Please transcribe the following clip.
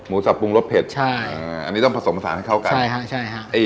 หมูสับปรุงรสเผ็ดอันนี้ต้องผสมผสานให้เข้ากันใช่ค่ะ